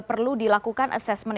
perlu dilakukan assessment